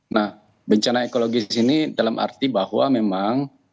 nah bencana ekologis ini dalam arti bahwa memang